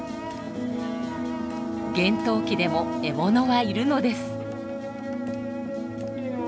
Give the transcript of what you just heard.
厳冬期でも獲物はいるのです。